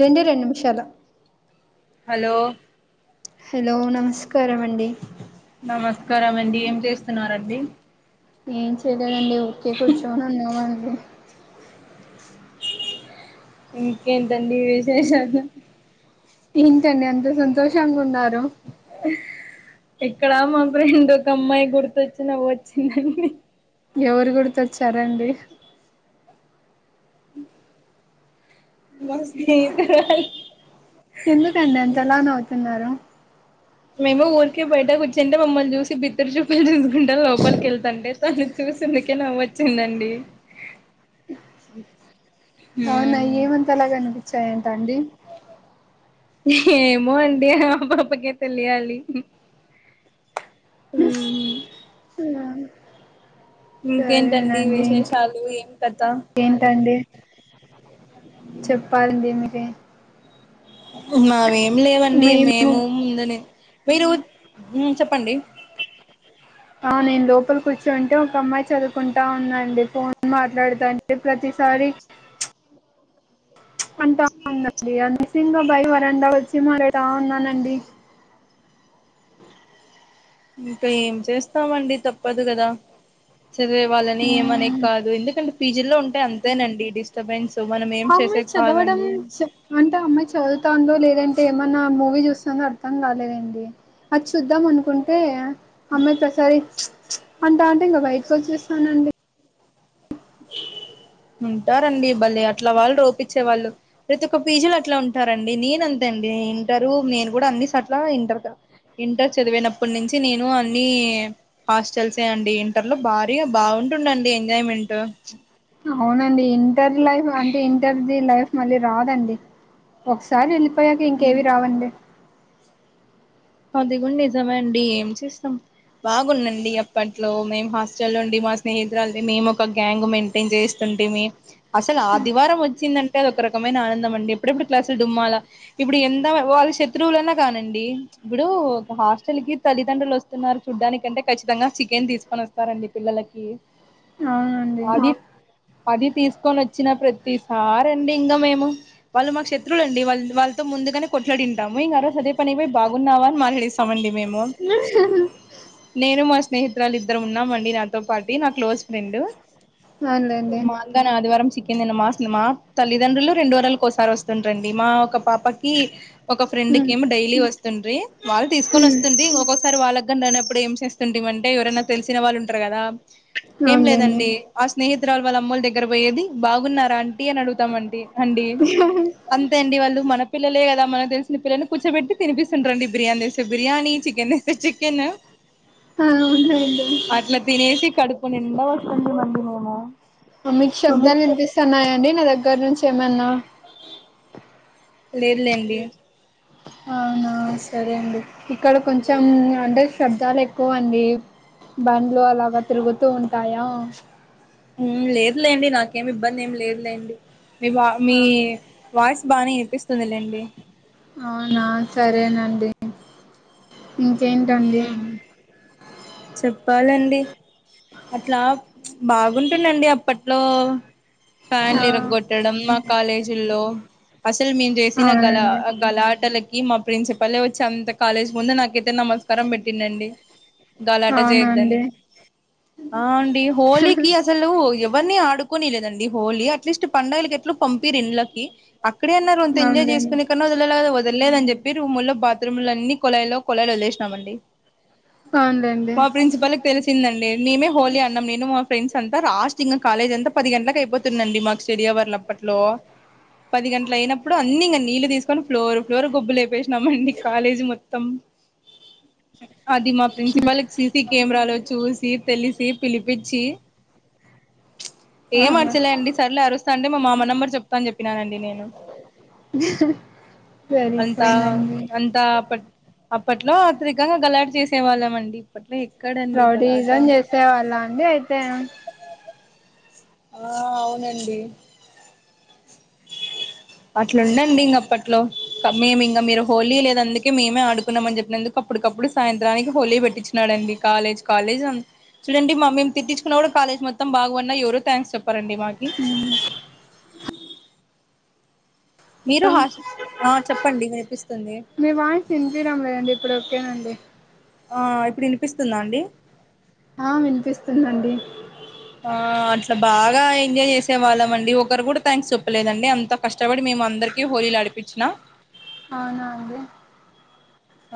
రెండే రెండు నిమిషాలు హలో హలో నమస్కారమండి నమస్కారమండి ఏం చేస్తున్నారండి ఏం చేయలేదండి ఊరికే కూర్చొని ఉన్నామండీ ఇంకేంటండి విశేషాలు ఏంటండి అంత సంతోషంగా ఉన్నారు ఇక్కడ మా ఫ్రెండ్ ఒక అమ్మాయి గుర్తొచ్చి నవ్వు వచ్చిందండి ఎవరు గుర్తొచ్చారండి హు ఎందుకండి అంత ఎలా నవ్వుతున్నారు మేము ఊరికే బయటకు కూర్చుంటే మమ్మని చూసి బి బిరుచూపల చూసుకుంటే లోపలికి వెళ్తాంటే తను చూసందుకే నవ్వొచ్చిందండి హ అలా కనిపించాయి ఏంటండీ ఏమో అండి ఆ పాప కే తెలియాలి ఉ రాను ఇంకేంటండి విశేషాలు ఏం కథ ఏంటండి? చెప్పాలండి మీరే. మావేమి లేవండి. మేము ఉందని మీరూ, ఊ చెప్పండి. ఆ నేను లోపలి కూర్చుంటే, ఒక అమ్మాయి చదువుకుంటా ఉందండి. ఫోన్ మాట్లాడుతాంటె ప్రతిసారి అంతా ఉందండి అనేసి, ఇంగ డైవరండ వచ్చి మరి రా అన్నానండి. ఇంక ఏం చేస్తామండి తప్పదు గదా? చదివే వాళ్ళని ఏమనేద్ ఆ కాదు. ఎందుకంటే, పీజీల్లో ఉంటే అంతేనండి. డిస్ స్టబెన్స్ మనం ఏం అమ్మాయి చేసేది చదవడం కాదండి. చ అంటే అమ్మాయి చదువుతాందో, లేదంటే ఏమన్నా మూవీ జూస్తాందో, అర్థం గాలేదండి. అది చూద్దాం అనుకుంటే అమ్మాయి ప్రతి సారీ ప్చ్ ప్చ్ అంటా ఉంటే, ఇంగ బయటికొచ్చేస్తానండి. ఉంటారండి భలే! అట్లా వాళ్ళు ఒప్పిచ్చే వాళ్ళు ప్రతి ఒక పీజీలో అట్లా ఉంటారండి. నేను అంతే అండి. ఇంటరూ నేను గూడా అన్నిసాట్ల ఇంటరు క ఇంటర్ చదివినప్పటి నుంచి నేను అన్నీ హాస్టల్సే అండీ. ఇంటర్లో భారీ బాగుంటుందండీ ఎంజాయ్మెంట్. అవునండి, ఇంటర్ లైఫ్ అంటే ఇంటర్ది లైఫ్ మళ్ళీ రాదండి. ఒకసారి ఎళ్ళి పోయాక ఇంకేవి రావండి. అది గుడ నిజమే అండీ, ఏం చేస్తం? బాగుందండి, అప్పట్లో మేం హాస్టల్లో ఉండి, మా స్నేహితురాల మేము ఒక గ్యాంగ్ ఉమెన్ ఫిన్ జేస్తుంటిమి. అసలు ఆదివారం ఒచ్చిందన్ అది ఒక రకమైన ఆనందం అండి. ఎప్పుడెప్పుడు క్లాసులు డుమ్మాలా ఇప్పుడు ఎంతల వాళ్ళు శత్రువులన్నా గానండి. ఇప్పుడూ ఒక హాస్టల్ కి తల్లిదండ్రులు వస్తున్నారు చూడ్డానికంటే, ఖచ్చితంగా చికెన్ దీసుకొని ఒస్తారండి పిల్లలకీ. అవునండి అది పది తీసుకొని ఒచ్చినప్పుడే తీసినవా? రెండింగ మేము వాళ్ళు మాకు శత్రులు అండి. వాళ్ళ వాళ్ళతో ముందుగానే కొట్లాడింటాము ఇంగ ఆరోజు అదే పని వేడ్ బాగున్నావా? మల్లిస్తామండి మేము. హు హు నేను, మా స్నేహితురాలు ఇద్దరం ఉన్నామండి. నాతో పాటి నా క్లోజ్ ఫ్రెండ్. అవునులేండి మా మన ఆదివారం చికెన్ అన్నమాసలు మా తల్లిదండ్రులు రెండు వారాలకోసారి వస్తుంట రండి. మా ఒక పాపకీ ఒక హ్మ్. ఫ్రెండుకేమొ డైలీ వస్తుండ్రీ. వాళ్ళు తీసుకొని వస్తుంది. ఒక్కోకసారి వాళ్ళక్ గంద్ అయినప్పుడు ఏం చేస్తుంటంటిమి అంటే, ఎవరన్నా తెలిసిన వాళ్ళు ఉంటరు గదా? ఏం అవునులేండి లేదండీ ఆ స్నేహితురాలు వాళ్ళ అమ్మోల్ల దగ్గర బోయేది, బాగున్నారా అంటీ అని అడుగుతామండి. అండీ అంతే అండి వాళ్ళు మన పిల్లలే గదా మనకు దెలిసిన పిల్లల్ని కూచోబెట్టి తినిపిస్తుంట్రండి బిర్యానీ దెస్తే బిర్యానీ, చికెన్ తెస్తే చికెను ఆ, ఉండండి. అట్ల తినేసి, కడుపు నిండ వస్తుండిమండి మేమూ. అ మీకు శబ్దాలు ఇనిపిస్తన్నాయండి? నా దగ్గర నుంచి ఏమన్నా? లేదు లేండి అవునా? సరే అండి. ఇక్కడ కొంచెం అంటే శబ్దాలు ఎక్ కువండీ, బండ్లు అలాగ తిరుగుతూ ఉంటాయా? ఊమ్ లేదు లేండి. నాకేమి ఇబ్బంది ఏమి లేదు లేండి. మీ బా మీ ఆ వాయిస్ బాగనే ఇనిపిస్తుంది లేండి. అవునా? సరేనండి. ఇంకేంటండి? మ్మ్ చెప్పాలండి. అట్లా బాగుంటుందండి అప్పట్లో ఆ ఫ్యాన్లిరగొట్టడం మా కాలేజీల్లో అసలు మేము జేసిన గలా అవునండి కళ ఆటలకి మా ప్రిన్సిపల్ వచ్చాయి అంతయి కాలేజ్ ముందు నాకింత నమస్కారం పెట్టిందండి గలాట జేస్తే అవునండి ఆ అండి హోలీ కి అసలు అసలు ఎవరిని ఆడుకొని లేదండి హోలీ అట్లీస్ట్ పండుగలకి ఎట్లు పంపిరు ఇండ్లకి అక్కడే అన్నారు అంతా ఎంజాయ్ అవునులేండి చేసుకునే కన్నా పిల్లల గదుల్ వదల్లేదు అని చెప్పి రూముల్లో బాత్రూంలో అన్ని కొళాయిలో కొళాయిలు వదిలేసినామండి అవునులేండి మా ప్రిన్సిపల్ క తెలిసిందండి మేమే హోలీ అన్నం నేను మా ఫ్రెండ్స్ అంతా లాస్ట్ ఇంకా కేలేజ్ అంతా పది గంటలకు అయిపోతుందండి మాకు స్టడీ అవర్ల పట్లోవ పది గంటల అయినప్పుడు అన్ని ఇంకా నీళ్లు తీసుకొని ఫ్లోర్ ఫ్లోర్ గొబ్బు లేపేసినామండి కాలేజీ మొత్తం అది మా ప్రిన్సిపల్ సీసీ కెమెరాలో చూసి తెలిసి పిలిపించి ఏం అవునా అరచలే అండి సర్లు ఆరోజు సండే మా మామ నంబర్ చెప్తా అని చెప్పినానండి నేను అంతా సరిపోయిందండి అంతా పట అప్పట్లో త్రికంగా గలాట చేసే వాళ్ళమండి అట్లీ ఇక్కడే రౌడీయిజం చేసే వాళ్ళ అండి అయితే ఆ అవునండి అ అట్లా ఉండండి ఇంగ అప్పట్లో మేమే ఇంగా మీరు హోలీ లేదు అందుకే మేమే ఆడుకున్నామని చెప్పినందుకు అప్పుటికప్పుడు సాయంత్రానికి హోలీ పెట్టిచ్చినాడండి కాలేజ్ కాలేజ్ అం చూడండి మా మేము తిట్టించుకున్న కూడా కాలేజ్ మొత్తం బాగుపడన్న ఎవరు థాంక్స్ చెప్పారండి మాకి మీరు హా ఆ చెప్పండి వినిపిస్తుంది మీ వాయిస్ వినిపియ్యడం లేదండి బ్రోకెన్ అండి హా ఇప్పుడు వినిపిస్తుందా అండి ఆ వినిపిస్తుందండి అ ఆ అట్లా బాగా ఎంజాయ్ చేసే వాళ్ళమండి ఒకరు కూడా థాంక్స్ చెప్పలేదండి అంత కష్టపడి మేమ అందరికి హోలీలు ఆడిపిచ్చిన అవునా అండి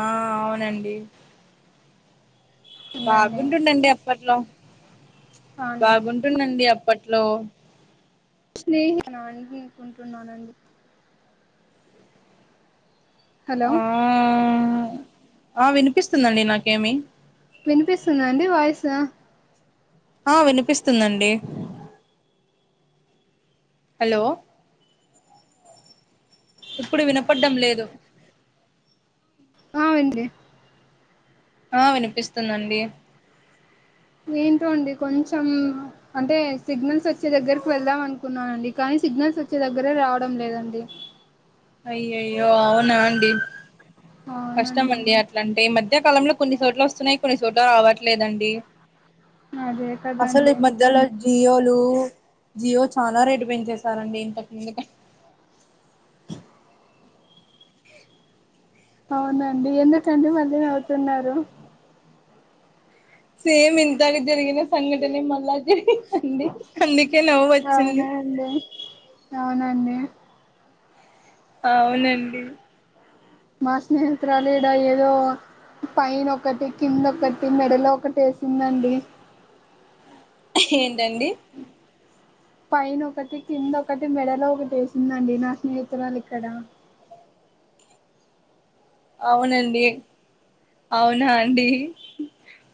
ఆ అవునండి ఉందండి బాగుంటుండండి అప్పట్లో అవునండి బాగుంటుండండి అప్పట్లో స్నేహినా న్ అనుకుంటున్నానండి హలో ఆ వినిపిస్తుందండి నాకేమి వినిపిస్తుందా అండి వాయిస్ ఆ వినిపిస్తుందండి హలో ఇప్పుడు వినపడ్డం లేదు ఆ వెంచి ఆ వినిపిస్తుందండి ఏంటో అండి కొంచెం అంటే సిగ్నల్స్ వచ్చే దగ్గరికి వెళ్దాం అనుకున్నానండి కానీ సిగ్నల్స్ వచ్చే దగ్గరే రావడం లేదండి అయ్యయ్యో అవునా అండి అవునండి కష్టమండి అట్లాంటే ఈ మధ్యకాలంలో కొన్ని చోట్ల వస్తున్నాయి కొన్ని చోట్ల రావట్లేదండి అదే అసలు ఈ కదండీ మధ్యలో జియోలు జియో చాలా రేటు పెంచేశారండి ఇంత ముందు క అవునండి ఎందుకండి మళ్ళీ నవుతున్నారు. సేమ్ ఇంతక జరిగిన సంఘటన మళ్ళా జరిగిందండి అందుకే నవొచ్చింది. లో అవునండే అవునండి. మా స్నేహితురాల్ ఏడా ఏదో పైన ఒకటి. కింద ఒకటి మెడలో ఒకటి ఏసిందండి. ఏంటండి పైన ఒకటి కింద ఒకటి మెడలో ఒకటి ఏసిందండి నా స్నేహితురాలు ఇక్కడ అవునండి ఏ అవునా అండి,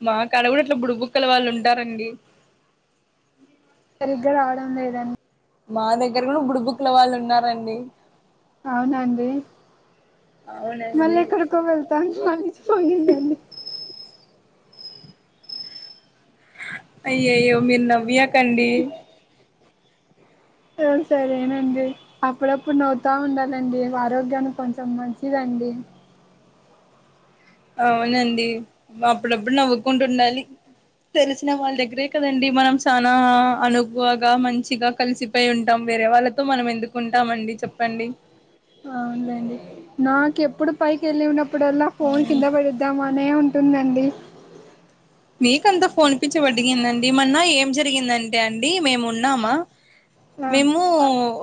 మా కాడిట్ల బుడిబుక్కల వాళ్ళు ఉంటారండి. సరిగ్గా రావడం లేదన్ మా దగ్గర గూడా గుడుబుక్ల వాళ్ళు ఉన్నారండి. అవునా అండి, అవునండి మళ్ళిక్కడికో వెళ్తాన్ మళ్ళిష్ పోయిందండి. అయ్యాయో మీరు నవ్వియకండి. ఉహ్ సరేనండి. అప్పుడప్పుడు నవ్వుతా ఉండాలండి ఆరోగ్యానికి కొంచెం మంచిదండి. అవునండి అప్పుడప్పుడు నవ్వుకుంటు ఉండాలి. తెలిసిన వాళ్ళ దగ్గరే కదండి మనం సానా అనుక్ హువగా మంచిగా కలిసిపోయి ఉంటాం, వేరే వాళ్ళతో మనం ఎందుకు ఉంటామండి చెప్పండి. అవులేండి నాకెప్పుడు పైకి ఏళ్ళి ఉన్నప్పుడల్లా ఫోన్ కింద పడద్ దమానే ఉంటుందండి. అ మీకంతా ఫోన్పించి పడిగిందండి. మన్న ఏం జరిగిందంటే అండి మేము ఉన్నామా, ఆ మేము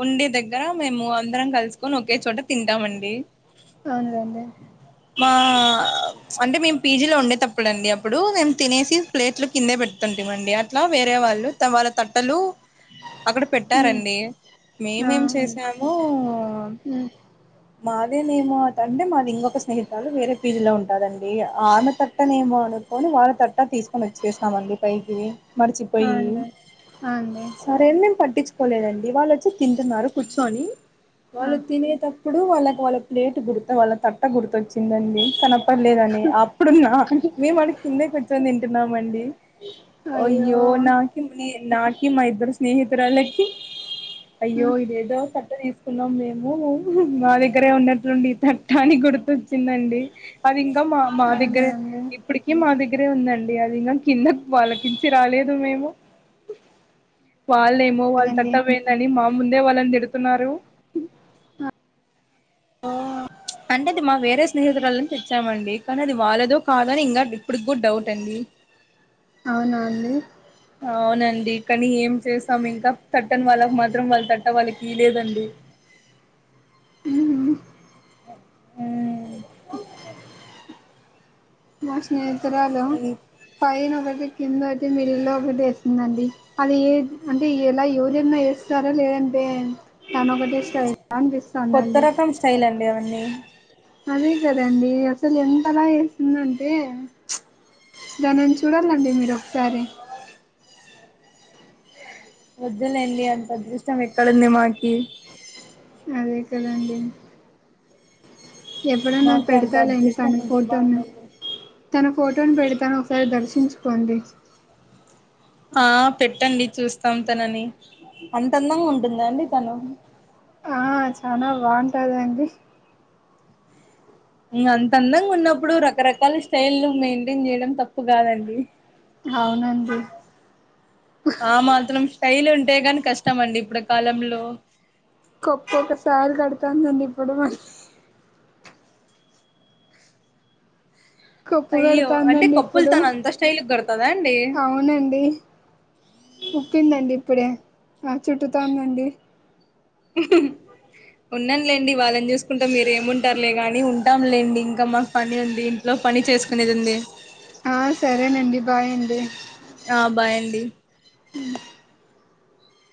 ఉండే దగ్గర మేము అందరం కలస్ కొన్ ఒకే చోట తింటామండి అవునులేండి మా అంటే మేము పజీ లో ఉండే తప్ ఇప్పుడండి అప్పుడు మేము తినేసి ప్లేట్లు కిందే పెడుతుంటామండి, అట్లా వేరే వాళ్ళు వాళ్ళ తట్టలు అక్కడ ఉమ్ పెట్టారండి ఆ మేమేం ఉమ్ చేసాము. ఉమ్ మాదేనేమో అటంటే మాది ఇంకొక స్నేహితలు వేరే ఫీల్డ్ లో ఉంన్ కదండి ఆమె తట్టనే ఏమో అనుకొని వాళ్ళ తట్ట తీసుకొని వచ్చేసినామండి పైకి ఆ మరిచిపోయి అండి ఆ అండి సార్ నేనేం పట్టించుకోలేదండి వాళ్ళు వచ్చి తింటున్నారు కూర్చొని ఆ వాళ్ళు తినేటప్పుడు వాళ్ళకి వాళ్ళ ప్లేట్ గుర్త్ వాళ్ళ తట్ట గుర్తొచ్చిందండి తనప్ పర్లేదని అప్పుడున్నా మేము ఆడి కిందే కూర్చుని తింటున్నామండి. అయ్యో ఓయ్యో నాకి నీ నాకి మా ఇద్దరు స్నేహితురాలకి అయ్యో ఉమ్ ఇదేదో తట్ట తీసుకున్నాం మేము మా దగ్గరే ఉన్నటుండి త టాని గుర్తొచ్చిందండి అది ఇంకా మా మా అవునా దగ్గరే అండి ఇప్పడకి మా దగ్గరే ఉందండి అది ఇంగాన్ కింద వాళ్ళకించి రాలేదు మేము వాళ్ళేమో వాళ్ళ లేదండి తట్టమ ఏందని మా ముందే వాళ్ళని తిడుతున్నారు. ఆహ్ ఓ తంటేది మా వేరే స్నేహితురాలని తెచ్చామండి కానీ అది వాళ్ళదో కాదో అని ఇంకా ఇప్పుడు కూడా డౌట్ అండి. అవునా అండి. అవునండి కానీ ఏం చేస్తాం ఇంకా తట్టని వాళ్ళకు మాత్రం వాళ్ళ తట్ట వాళ్ళకిలేదండి. ఉహు మా స్నేహితురాలు ఈ పైన ఒకటి కింద ఒకటి మిడి ల్లులో ఒకటి వేసిందండి అది ఏ అంటే ఎలా ఎవరైనా వేస్తారో లేదంటే తను ఒకటిష్ట అనిపిస్తదండి తైల్ అండి అవన్ని అదే కదండి అసలు ఎంతలా ఏస్తుందంటే దానిని చూడాలండి మీరు ఒకసారి వద్దులేండి అంత అదృష్టం ఎక్కడుంది మాకి అదే కదాండి ఎప్పుడైన్నా మాకి అంత పెడతా లేండి అదృష్టం తన ఉంటే ఫోటోను బాగుండేది తన ఫోటోను పెడితాను ఒకసారి దర్శించుకోండి ఆ పెట్టండి చూస్తాం తనని అంతందంగా ఉంటుందా అండి తను ఆ చనా బాగుంటాదండి ఇంగ అంత అందంగా ఉన్నప్పుడు రకరక లు స్టైల్ మెయింటైన్ చేయడం తప్పు కాదండి అవునండి ఆ మాత్రం స్టైల్ ఉంటే కాని కష్టమండి ఇప్పుడు కాలంలో కొప్పు ఒక సారి కడతానుదండి ఇప్పుడు మ కొప్పు అయ్యో అంటే పెడుతందండి కప్పులు ఇప్పుడు తను అంత స్టైల్ కడతదా అండి అవునండి ఉప్పిందండి ఇప్పుడే ఆ చుట్టుతోందండి ఉన్నానులేండి వాళ్ళని చూసుకుంట మీరు ఏమింటారులే గాని ఉ లెండి ఇంక మాకు పని ఉంది ఇంట్లో పని చేసుకునేది ఉంది ఆ సరేనండి బాయ్ అండి ఆ బాయండి